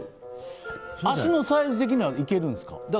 足のサイズ的にはいけるんですか？